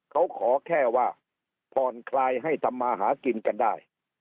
เขาขอแค่ว่าผ่อนคลายให้ทำมาหากินกันได้